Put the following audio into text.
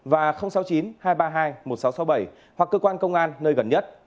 và sáu mươi chín hai trăm ba mươi hai một nghìn sáu trăm sáu mươi bảy hoặc cơ quan công an nơi gần nhất